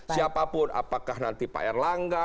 siapapun apakah nanti pak erlangga